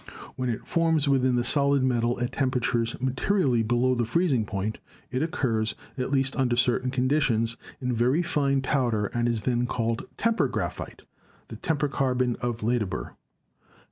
When it forms within the solid metal at temperatures materially below the freezing point, it occurs, at least under certain conditions, in very fine powder and is then called "temper" graphite, the temper carbon of Ledebur.